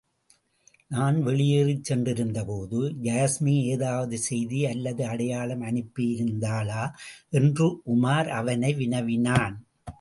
நான் வெளியேறிச் சென்றிருந்தபோது, யாஸ்மி எதாவது செய்தி அல்லது அடையாளம் அனுப்பியிருந்தாளா? என்று உமார் அவனை வினவினான்.